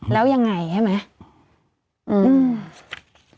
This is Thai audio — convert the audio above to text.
แล้วยังไงใช่ไหม